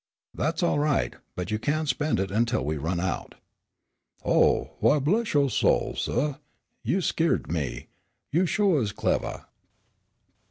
"That's all right, but you can't spend it until we run out." "Oh! Why, bless yo' soul, suh, you skeered me. You sho' is clevah."